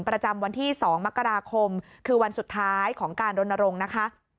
ประจำวันที่๒มกราคมคือวันสุดท้ายของการรณรงค์นะคะ